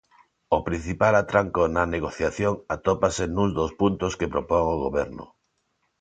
O principal atranco na negociación atópase nun dos puntos que propón o Goberno.